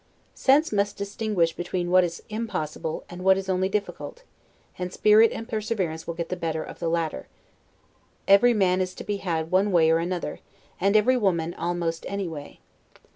Sense must distinguish between what is impossible, and what is only difficult; and spirit and perseverance will get the better of the latter. Every man is to be had one way or another, and every woman almost any way.